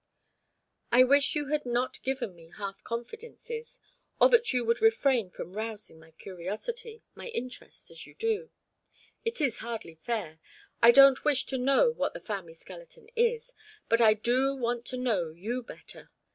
"I wish you had not given me half confidences, or that you would refrain from rousing my curiosity my interest, as you do. It is hardly fair. I don't wish to know what the family skeleton is, but I do want to know you better.